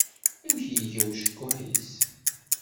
Amek iga ucekkuḥ-is?